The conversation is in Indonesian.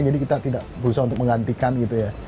jadi kita tidak berusaha untuk menggantikan gitu ya